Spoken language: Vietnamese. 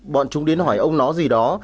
bọn chúng đến hỏi ông nó gì đó